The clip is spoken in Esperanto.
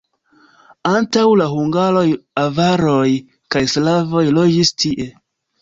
Antaŭ la hungaroj avaroj kaj slavoj loĝis tie.